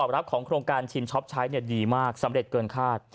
วางแผนกันก่อนนะครับ